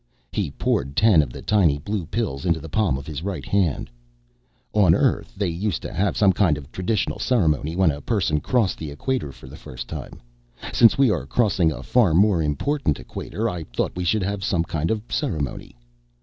He poured ten of the tiny blue pills into the palm of his right hand. "On Earth, they used to have some kind of traditional ceremony when a person crossed the equator for the first time. Since we are crossing a far more important equator, I thought we should have some kind of ceremony."